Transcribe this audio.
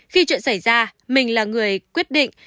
khi chuyện xảy ra mình là người quyết định